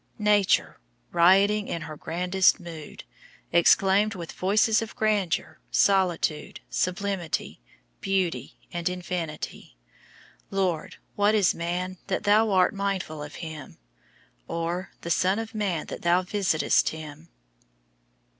Nature, rioting in her grandest mood, exclaimed with voices of grandeur, solitude, sublimity, beauty, and infinity, "Lord, what is man, that Thou art mindful of him? or the son of man, that Thou visitest him?"